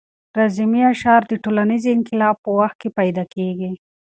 رزمي اشعار د ټولنیز انقلاب په وخت کې پیدا کېږي.